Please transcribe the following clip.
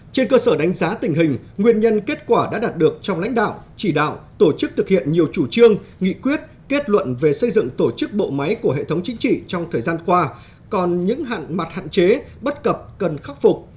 trên cơ sở đánh giá tình hình nguyên nhân kết quả đã đạt được trong lãnh đạo chỉ đạo tổ chức thực hiện nhiều chủ trương nghị quyết kết luận về xây dựng tổ chức bộ máy của hệ thống chính trị trong thời gian qua còn những hạn mặt hạn chế bất cập cần khắc phục